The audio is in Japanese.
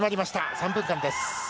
３分間です。